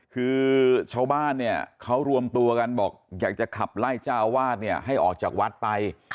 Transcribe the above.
คือชาวบ้านเนี่ยเขารวมตัวกันบอกอยากจะขับไล่เจ้าวาดเนี่ยให้ออกจากวัดไป